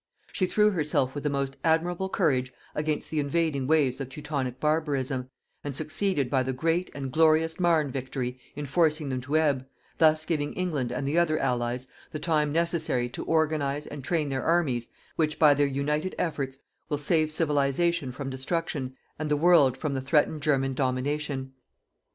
She threw herself with the most admirable courage against the invading waves of Teutonic barbarism, and succeeded by the great and glorious Marne victory in forcing them to ebb, thus giving England and the other Allies the time necessary to organize and train their armies which, by their united efforts will save Civilization from destruction and the world from the threatened German domination.